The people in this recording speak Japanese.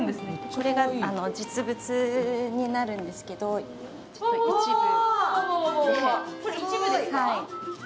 これが実物になるんですけど、一部。